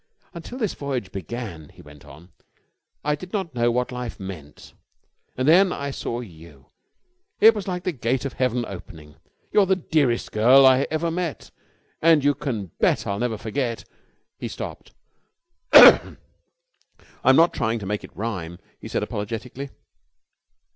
"Until this voyage began," he went on, "I did not know what life meant. And then I saw you! It was like the gate of heaven opening. You're the dearest girl I ever met, and you can bet I'll never forget...." He stopped. "I'm not trying to make it rhyme," he said apologetically.